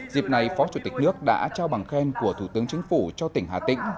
dịp này phó chủ tịch nước đã trao bằng khen của thủ tướng chính phủ cho tỉnh hà tĩnh